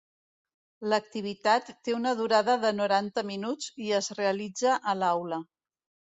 L'activitat té una durada de noranta minuts i es realitza a l'aula.